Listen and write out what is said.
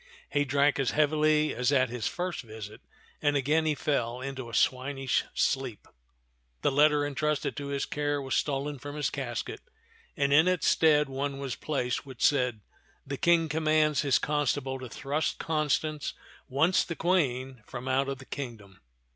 He drank as heavily as at his first visit, and again he fell into a swinish sleep. The letter intrusted to his care was stolen from his casket, and in its stead one was placed which said: "The King commands his con stable to thrust Constance, once the Queen, from out the kingdom.